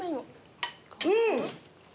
うん。